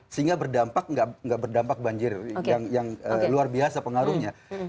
sehingga berdampak tidak berdampak banjir yang luar biasa pengaruhnya